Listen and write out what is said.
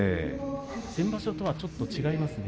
先場所とはちょっと違いますね。